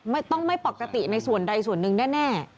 ไม่ต้องไม่ปกติในส่วนใดส่วนหนึ่งแน่